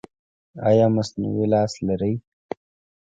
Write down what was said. ایا مصنوعي لاس لرئ؟